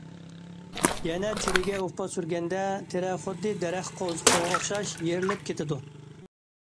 يەنە تېرىگە ئۇپا سۈرگەندە، تېرە خۇددى دەرەخ قوۋزىقىغا ئوخشاش يېرىلىپ كېتىدۇ.